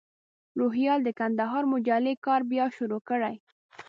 روهیال د کندهار مجلې کار بیا شروع کړی.